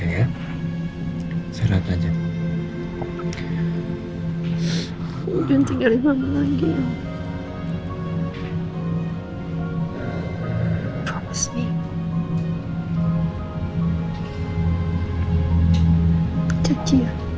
ya aku auch